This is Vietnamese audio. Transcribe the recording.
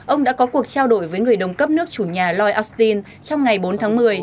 ông đã có cuộc trao đổi với người đồng cấp nước chủ nhà lloyd austin trong ngày bốn tháng một mươi